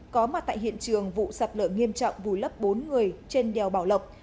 có mặt tại hiện trường vụ sạt lở nghiêm trọng vùi lấp bốn người trên đèo bảo lộc